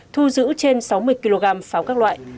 thu giữ trên sáu mươi kg pháo các loại